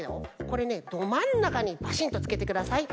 これねどまんなかにバシンッとつけてください。